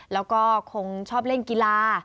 แล้วก็คงชอบเล่นกีฬา